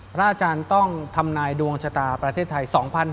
พระอาจารย์ต้องทำนายดวงชะตาประเทศไทย๒๕๕๙